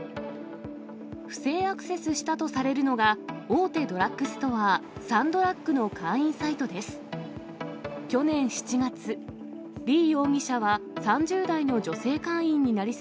不正アクセスしたとされるのが、大手ドラッグストア、サンドラッグの会員サイトです。